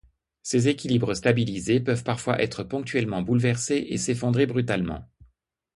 Ces équilibres stabilisés peuvent parfois être ponctuellement bouleversés et s’effondrer brutalement.